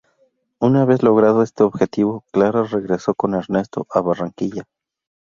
Una vez logrado este objetivo, Clara regresó con Ernesto a Barranquilla.